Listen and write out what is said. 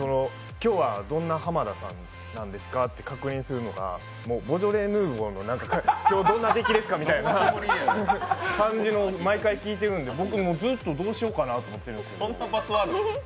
今日はどんな浜田さんなんですかって確認するのが確認するのが、ボージョレ・ヌーボーの今日、どんな出来ですかみたいなのを毎回、聞いてるんで、僕もずっとどうしようかなと思ってるんです。